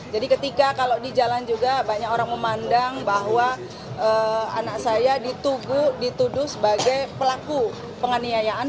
jadi ketika kalau di jalan juga banyak orang memandang bahwa anak saya dituduh sebagai pelaku penganiayaan